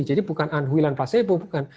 jadi bukan anhui dan placebo bukan